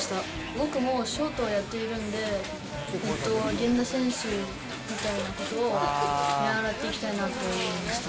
僕もショートをやっているんで、源田選手みたいなことを見習っていきたいなと思いました。